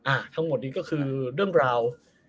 ทั้งหมดนี้ก็คือเรื่องราว